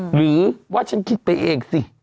หรือว่าฉันคิดไปเองสิ